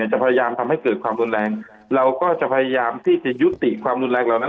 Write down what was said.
จะพยายามทำให้เกิดความรุนแรงเราก็จะพยายามที่จะยุติความรุนแรงเหล่านั้น